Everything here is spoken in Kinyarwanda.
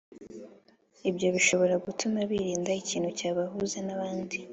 Ibyo bishobora gutuma birinda ikintu cyabahuza n ‘abandi